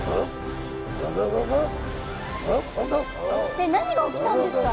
えっ何が起きたんですか？